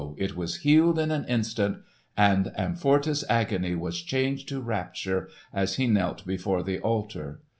it was healed in an instant, and Amfortas' agony was changed to rapture as he knelt before the altar.